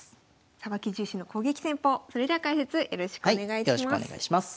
それでは解説よろしくお願いします。